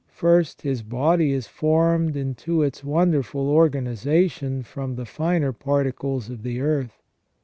First his body is formed into its wonderful organization from the finer par ticles of the earth.